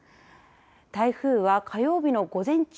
台風は火曜日の午前中